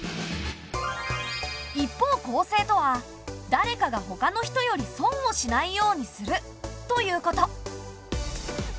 一方公正とは誰かが他の人より損をしないようにするということ。